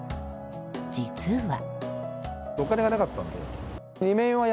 実は。